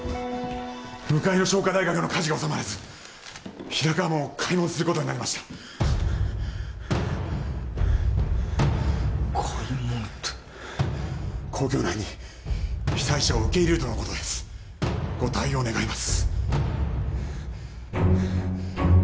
向かいの商科大学の火事が収まらず平川門を開門することになりました開門って皇居内に被災者を受け入れるとのことですご対応願います